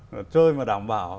luật chơi mà đảm bảo